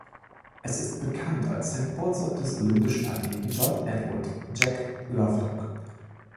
Es ist bekannt als der Geburtsort des olympischen Athleten John Edward „Jack“ Lovelock.